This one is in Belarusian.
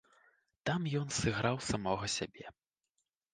Там ён сыграў самога сябе.